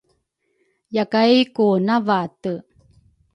Yakay ku navate